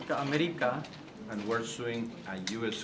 ya itu pertanyaan yang bagus